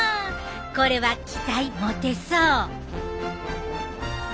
これは期待持てそう。